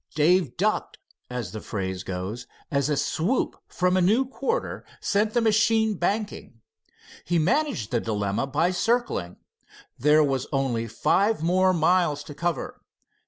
Dave "ducked," as the phrase goes, as a swoop from a new quarter sent the machine banking. He managed the dilemma by circling. There was only five more miles to cover.